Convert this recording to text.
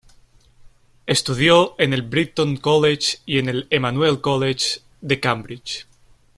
Estudió en el Brighton College y en el Emmanuel College de Cambridge.